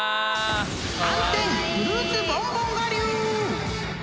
［寒天フルーツボンボン我流！］